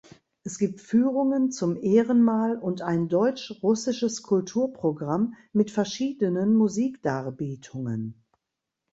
Es gibt Führungen zum Ehrenmal und ein deutsch-russisches Kulturprogramm mit verschiedenen Musikdarbietungen.